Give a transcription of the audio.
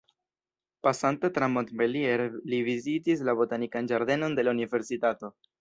Pasante tra Montpellier, li vizitis la botanikan ĝardenon de la Universitato.